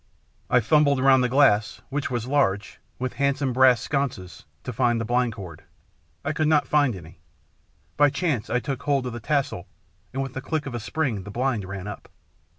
I fumbled round the glass, which was large, with handsome brass sconces, to find the blind cord. I could not find any. By chance I took hold of the tassel, and with the click of a spring the blind ran up.